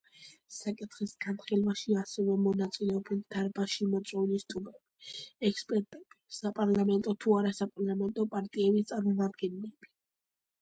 საკითხის განხილვაში ასევე მონაწილეობენ დარბაზში მოწვეული სტუმრები: ექსპერტები, საპარლამენტო თუ არასაპარლამენტო პარტიების წარმომადგენლები.